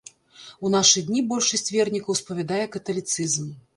У нашы дні большасць вернікаў спавядае каталіцызм.